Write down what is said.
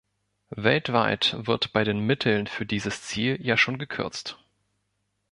Weltweit wird bei den Mitteln für dieses Ziel ja schon gekürzt.